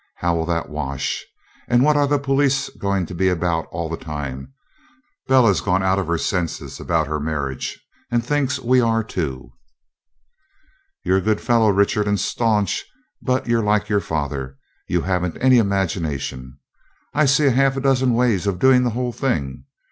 How will that wash? And what are the police going to be about all the time? Bella's gone out of her senses about her marriage and thinks we are too.' 'You're a good fellow, Richard, and stanch, but you're like your father you haven't any imagination. I see half a dozen ways of doing the whole thing.